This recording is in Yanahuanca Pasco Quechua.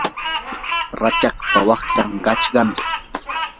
rachakpa waqtan qachqami.